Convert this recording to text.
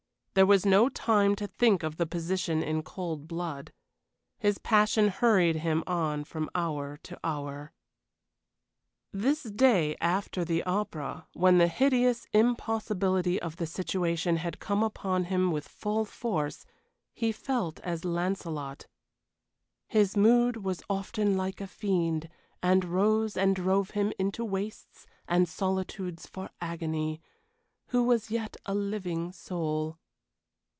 There was no time to think of the position in cold blood. His passion hurried him on from hour to hour. This day after the opera, when the hideous impossibility of the situation had come upon him with full force, he felt as Lancelot "His mood was often like a fiend, and rose and drove him into wastes and solitudes for agony, Who was yet a living soul."